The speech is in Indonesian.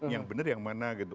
yang benar yang mana gitu